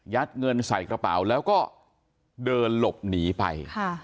เงินใส่กระเป๋าแล้วก็เดินหลบหนีไป